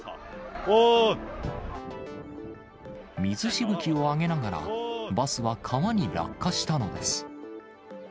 水しぶきを上げながら、バスは川に落下したのです。